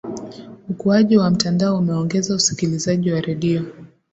ukuaji wa mtandao umeongeza usikilizaji wa redio